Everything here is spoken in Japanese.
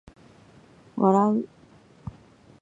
笑う